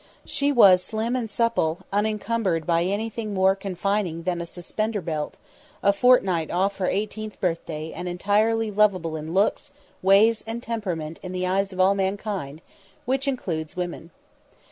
She was slim and supple, unencumbered by anything more confining than a suspender belt, a fortnight off her eighteenth birthday and entirely lovable in looks, ways and temperament in the eyes of all mankind, which includes women.